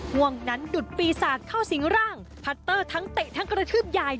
ห่วงนั้นดุดปีศาจเข้าสิงร่างพัตเตอร์ทั้งเตะทั้งกระทืบยาย